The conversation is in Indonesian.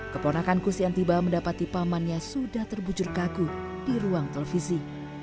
keponakan kus yang tiba mendapati pamannya sudah terbujur kaku di ruang televisi